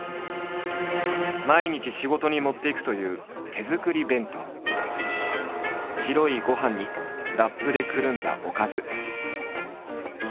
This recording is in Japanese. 毎日仕事に持っていくという白いご飯にラップでくるんだおかず。